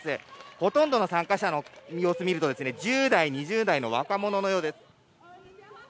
ほとんどの参加者の様子を見ると１０代、２０代の若者のようです。